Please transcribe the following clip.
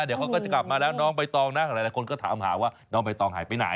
เดี๋ยวเขาก็จะกลับมาแล้วน้องใบตองนะหลายคนก็ถามหาว่าน้องใบตองหายไปไหน